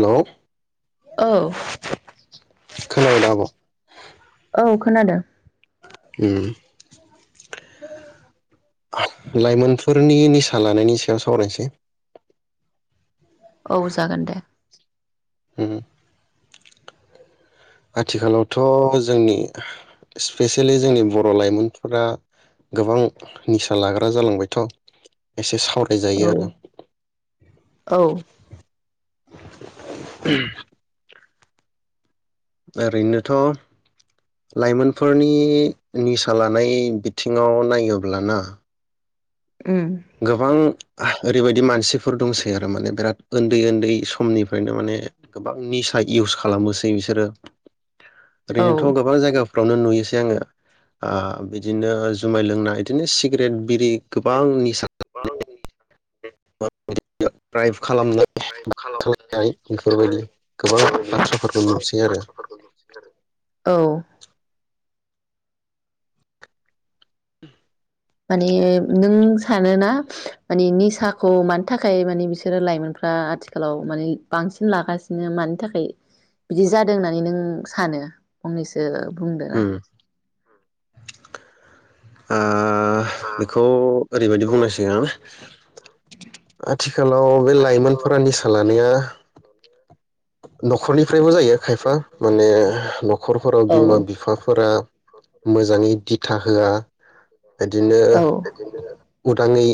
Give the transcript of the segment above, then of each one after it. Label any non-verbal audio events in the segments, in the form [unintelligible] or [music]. Hello औ खोनाबाय दा आब खोनादो उम लाइमोनफोरनि निसा लानायनि सायाव सावरायनोसै औ जागोन दे उम आथिखालावथ जोंनि स्पेसियेलि जोंनि बर लाइमोनफोरा गोबां निसा लाग्रा जालांबायथ एसे साव औ औ उम ओरैनोथ लाइमोनफोरनि निसा लानाय बिथिङाव नायोब्ला ना उम गोबां ओरैबायदि मानसिफोर दंसै आरो माने बिराद उन्दै उन्दै समनिफ्रायनो माने गोबां निसा इउस खालामोसै बिसोरो औ ओरैनोथ गोबां जायगा फ्रावनो नुयोसै आङो ओ बिदिनो जुमाय लोंना बिदिनो सिगारेट बिरि गोबां निसा बुजियाखै [unintelligible] द्राइभ खालाम [unintelligible] नाय बेफोरबादि गोबां बाथ्राफोरखौ नुसै आरो औ माने नों सानोना माने निसाखौ मानो थाखाय माने बिसोरो लाइमोनफ्रा आथिखालाव माने बांसिन लागासिनो मानि थाखाय बिदि जादों होननानै नों सानो फंनैसो बुंदोना? उम [inaudible] ओ ओ बेखौ ओरैबायदि बुंनांसिगोन आथिखालाव बे लाइमोनफोरा निसा लानाया नखरनि फ्रायबो जायो खायफा माने नखरफोराव औ बिमा बिफाफोरा मोजाङै दिथा होआ इदिनो औ उदाङै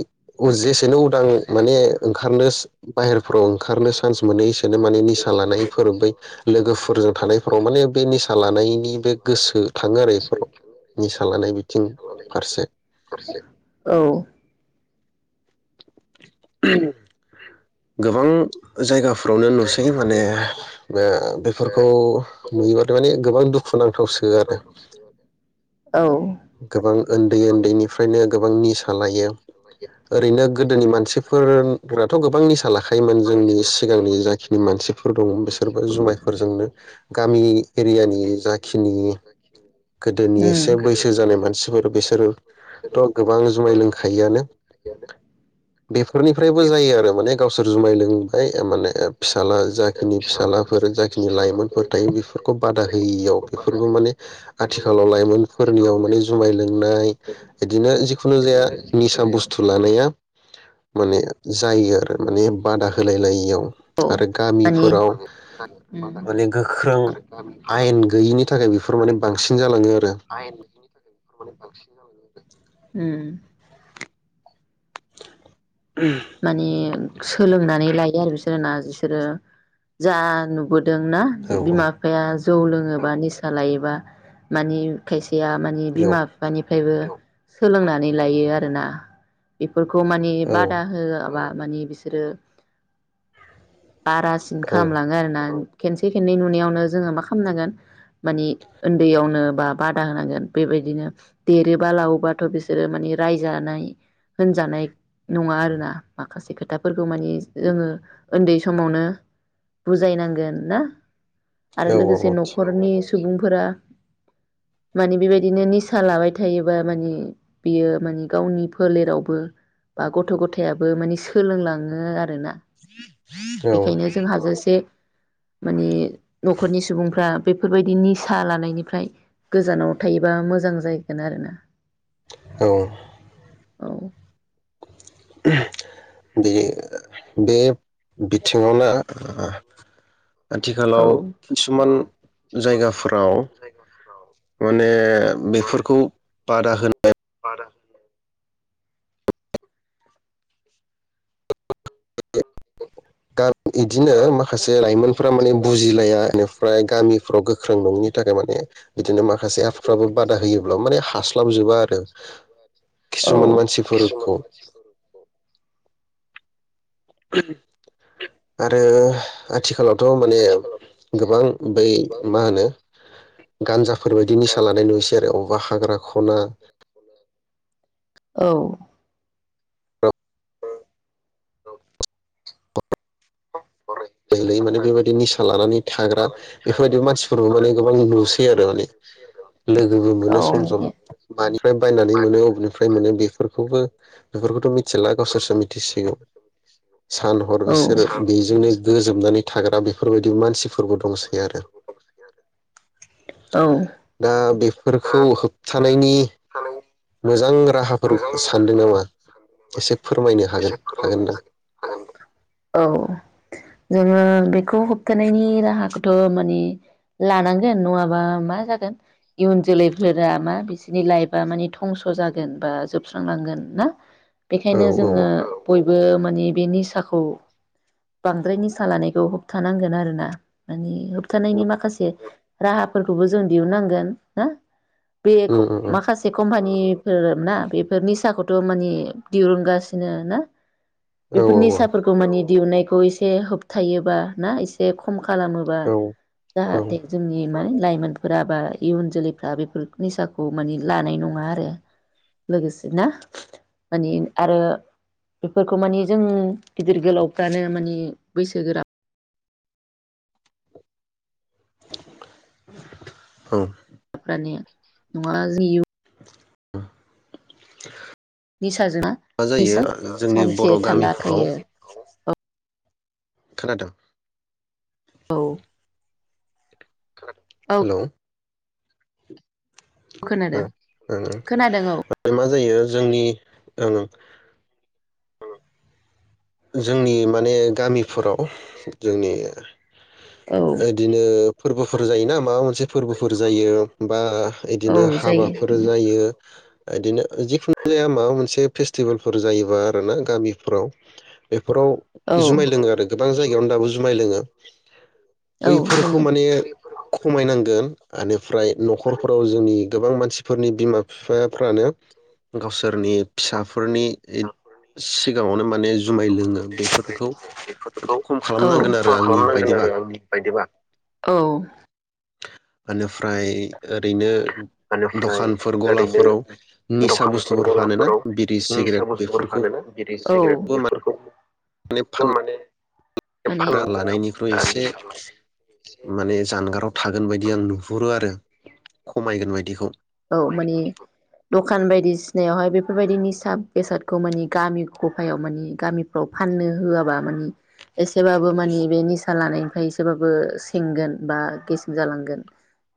जेसेनो उदां माने ओंखारनो बाहेर फोराव ओंखारनो सान्स मोनो इसोरनो माने निसा लानायफोर बै लोगोफोरजों थानायफोराव माने बे निसा लानायनि बे गोसो थाङो आरो इफोराव निसा लानाय बिथिं फारसे। औ [inaudible] उम [inaudible] गोबां जायगाफ्रावनो नुसै माने ओ बेफोरखौ नुयोबाथ' माने गोबां दुखु नांथावसो आरो औ गोबां ओन्दै ओन्दैनिफ्रायनो गोबां नि सा लायो ओरैनो गोदोनि मानसिफोर राथ' गोबां निसा लाखायोमोन जोंनि सिगांनि जाखिनि मानसिफोर दङ बिसोरबो जुमायफोरजोंनो गामि एरियानि जाखिनि गोदोनि उम एसे बैसो गोदोनि जानाय मानसिफोर बिसोर थ' गोबां जुमाय लोंखायो आनो। फोरनिफ्रायबो जायो आरो माने गावसोर जुमाय लोंबाय माने फिसाला जाखिनि फिसालाफोर जाखिनि लाइमोनफोर थायो बेफोरखौ बादा होयियाव बेफोरबो माने आथिखालाव लाइमोनफोर याव माने जुमाय लोंनाय बिदिनो जिखुनु जाया निसा बुस्थु लानाया माने जायो आरो माने बादा होलाय लायियाव औ आरो माने गामिफोराव जानो बादा माने होनायाव गोख्रों आयेन गैयिनि थाखाय बेफोर माने बांसिन जालाङो आरो [unintelligible] बांसिन जायो उम [unintelligible] मानि सोलोंनानै लायो आरो बिसोरो ना बिसोरो जा नुबो दों ना औ बिमा बिफाया जौ लोङोबा निसा लायोबा मानि खायसे या मानि बिमा बेयाव बिफानि फायबो सोलोंनानै लायो आरोना? फोर माने औ बाद मा माने बिसोरो बारासिन खालामलाङो आरोना खेनसे खननै नुनायावनो जोङो मा खालामनांगोन मानि उन्दैयावनो बा बादा होनांगोन बेबायदिनो देरोबा लावोबाथ' बिसोरो मानि रायजानाय होनजानाय नङा आरोना माखासे खोथाफोर खौ माने जोङो उन्दै समावनो बुजायनांगोन ना? आरो लोगोसे न'खरनि सुबुंफोरा मानि बेबायदिनो निसा लाबाय थायोबा माने बियो माने गावनि फोलेरावबो बा गथ' गथायाबो मानि सोलों लाङो आर ना औ बेखायनो जों हाजोसे माने न'खरनि सुबुंफ्रा बेफोरबायदि निसाहा लानायनिफ्राय गोजानाव थायोबा मोजां जाहैगोन आरोना औ औ बे-बे बिथिङावनो औ आथिखालाव किसुमान जायगाफोराव माने बेफोरखौ बादा होनाय [unintelligible] बिदिनो माखासे लाइमोनफोरा माने बुजिलाया बेनिफ्राय गामिफ्राव गोख्रों नङिनि थाखाय माने बिदिनो माखासे एबफ्राबो बादा होयोब्ला माने हास्लाबजोबा आरो औ किसुमान मानसिफोरखौ। [unintelligible] आरो आथिखालावथ' माने गोबां बै मा होनो गान्जाफोरबायायदि निसा लानाय नुयोसै आरो अबा हाग्रा ख'ना औ लैलै माने बेबायदि निसा लानानै थाग्रा बेफोरबायदि मानसिफोरबो माने गोबां नुसै आरो माने लोगोबो मोनो सम सम मानिफ्राय बायनानै मोनो बबेनिफ्राय मोनो बेफोरखौबो बेफोरखौथ' मिथिला गावसोरसो मिथिसिगौ सान हर औ बिसोरो बेजोंनो गोजोबनानै थाग्रा बेफोरबायदि मानसिफोरबो दंसै आरो औ दा बेफोरखौ होबथानायनि मोजां राहाफोर सानदों नामा एसे फोरमायनो हागोन हागोनदां? औ जोङो बेखौ होबथानायनि राहाखौथ' माने लानांगोन नङाबा मा जागोन इयुन जोलैफोरा मा बिसोरनि लाइफआ माने धंस' जागोन बा जोबस्रांनांगोन ना औ बेखायनो औ जोङो औ बयबो ओ माने बे निसाखौ बांद्राय निसा लानायखौ होबथानांगोन आरो ना माने होबथानायनि माखासे राहाफोरखौबो जों दिहुननांगोन ना बे उम खब उम उम माखासे कम्पानि बेफोर ना बेफोर निसा खौथ' माने दिरुनगासिनो ना औ बेफोर निसा फोरखौ माने दिहुननाय खौ एसे होबथायोबा ना एसे खम खालामोबा औ जाहाथे औ जोंनि मा लायफ। मानफोरा बा इउन जोलैफोरा बेफोर निसाखौ माने लानाय नङा आरो लोगोसे ना माने आरो बेफोरखौ माने जों गिदिर गोलावफ्रानो मानि बैसोगोरा औ ने नङा इउ [inaudible] निसाजों मा जायो निसा ओ ओ जोंनि सानसे बर' थालला गामिफ्राव थायो औ खोनादों औ औ हेल' ओं खोनादों खोनादों ओमफ्राय मा जायो जोंनि ओं ओं जोंनि माने गामिफोराव जोंनि औ औ इदिनो फोरबोफोर जायोना माबा मोनसे फोरबोफोर जायो बा औ इदिनो जायो हाबाफोर जायो बिदिनो जिखुनु जाया माबा मोनसे फेस्टिभेलफोर जायोबा आरोना गामिफोराव बेफोराव औ जुमाय लोङो गोबां जायगायावनो दाबो जुमाय लोङो बैफोरखौ नोङो माने खमायनांगोन आनोफ्राय न'खरफोराव जोंनि गोबां मानसिफोरनि बिमा बिफाफ्रानो गावसोरनि फिसाफोरनि सिगाङावनो माने जु माय लोङो बेफोरखौ फटखौ‌ खम औ खालामनांगोन आरो फम आंनि खालामनांगोन बायदिबा आरो आंनि बायदिबा औ बेनिफ्राय ओरैनो दखानफोर गलाफोराव निसा बुस्थुफोर फानोना बिरि सिगारेट बेफोरखौ बेफोरखौ अ माने लानायनिख्रुइ एसे माने जानगाराव थागोन बायदि आं नुहुरो आरो खमायगोन बायदिखौ औ माने दखान बायदिसिनायावहाय बेफोरबायदि निसा बेसादखौ मानि गामि खफायाव मानि गामिफ्राव फाननो होआबा मानि एसेबाबो मानि बे निसा लानायनिफ्राय एसेबाबो सेंगोन बा गेसें जालांगोन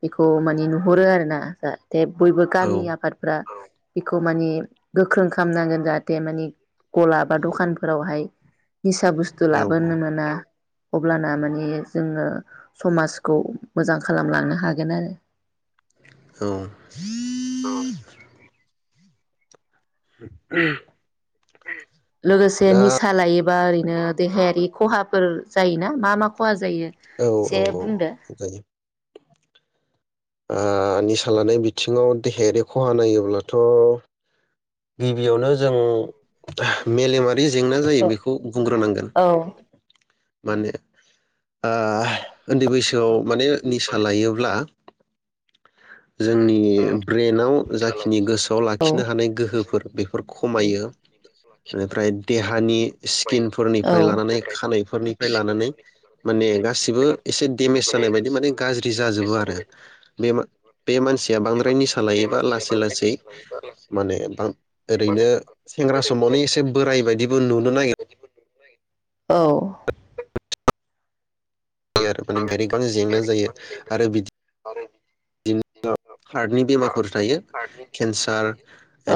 बेखौ माने नुहरो आरोना जा दे बयबो औ गामि आफादफ्रा बेखौ माने गोख्रों खालामनांगोन जाहाथे माने गला बा दखानफोरावहाय निसा बुस्थु औ लाबोनो मोना अब्लाना माने जोङो समाजखौ मोजां खालामलांनो हागोन आरो औ लोगोसे दा निसा लायो बा ओरैनो देहायारि खहाफोर जायोना मा मा खहा जायो औ औ एसे बुंदो औ जायो ओ निसा लानाय बिथिङाव देहायारि खहा नायोब्लाथ' गिबियावनो जों मेलेमा रि जेंना जायो बेखौ बुंग्रोनांगोन। औ माने ओ उन्दै बैसोआव माने निसा लायोब्ला जोंनि ब्रेनाव जाखिनि गोसोआव औ लाखिनो हानाय गोहो बेफोर खमायो बेनिफ्राय देहानि औ स्किनफोरनिफ्राय लानानै खानायफोरनिफ्राय लानानै माने गासिबो एसे देडेमेज जानाय बायदि माने गाज्रि जाजोबो आरो बे बे मानसिया बांद्राय निसा लायोबा लासै लासै माने ओरैनो सेंग्रा समावनो एसे बोराय बायदिबो नुनो नागिर औ आरो माने [unintelligible] जेंना जायो आरो बिदि [inaudible] हार्टनि बेमारफोर थायो केन्सार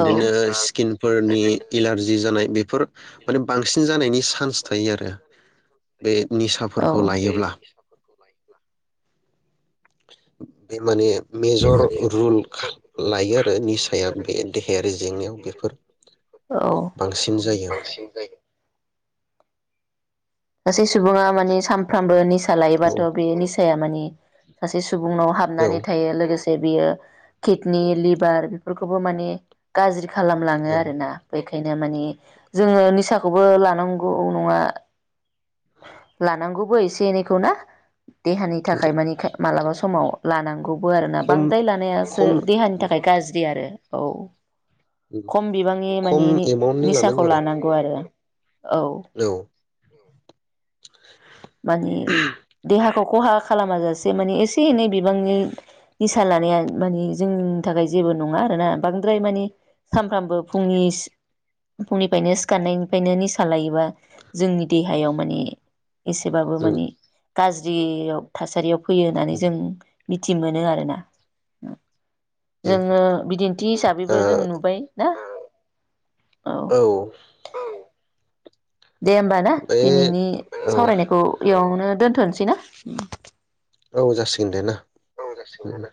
इदिनो स्किनफोरनि एलारजि जानाय बेफोर माने बांसिन जानायनि सान्स थायो आरो बे औ निसाफोरखौ लायोब्ला। बे माने मेजर रुल लायो आरो निसाया बे देहायारि जेंनायाव बेफोर औ बांसिन जायो। सासे सुबुङा माने सानफ्रामबो निसा औ लायोबाथ' बे निसाया माने सासे सुबुंनाव औ हाबनानै थायो लोगोसे बियो किडनिक लिभार बेफोरखौबो माने गाज्रि खालामलाङो औ आरोना ओंखायनो माने जोङो निसाखौबो लानांगौ नङा लानांगौबो एसे एनैखौ ना। देहानि थाखाय मानि मालाबा समाव लानांगौ बो आरोना खम बांद्राय लानायासो खम देहानि थाखाय गाज्रि आरो औ खम बिबांनि खम माने नि एमाउन्टनि निसाखौ आरो लानांगौ आरो औ औ माने देहा खौ खहा खालामाजासे माने एसे एनै बिबांनि निसा लानाया माने जोंनि थाखाय जेबो नङा आरोना बांद्राय माने सानफ्रामबो फुंनि सि फुंनिफ्रायनो सिखारनायनिफ्रायनो निसा लायोबा जोंनि देहायाव माने एसेबाबो उम माने गाज्रि जियाव थासारियाव फैयो होननानै उम जों मिथि मोनो आरो ना। उम जोङो बिदिन्थि हिसाबैबो जों नुबाय ना औ दे ओमबा ना बे दिनैनि औ सावरायनायखौ इयावनो दोनथ'नोसैना? औ जासिगोन दे ना। औ जासिगोन उम दे ना।